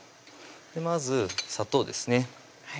まず砂糖ですね